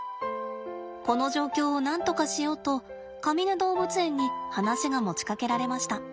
この状況をなんとかしようとかみね動物園に話が持ちかけられました。